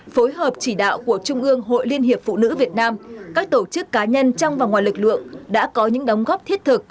phối hợp chỉ đạo của trung ương hội liên hiệp phụ nữ việt nam các tổ chức cá nhân trong và ngoài lực lượng đã có những đóng góp thiết thực